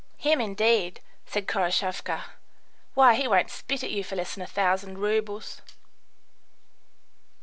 "Him, indeed," said Khoroshavka. "Why, he won't spit at you for less than a thousand roubles."